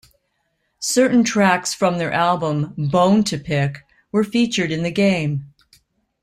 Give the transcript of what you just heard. Certain tracks from their album, "Bone to Pick", were featured in the game.